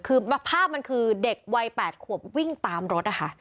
คือภาพมันคือเด็กวัย๘ขวบวิ่งตามรถนะคะ